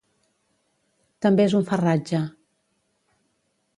També és un farratge.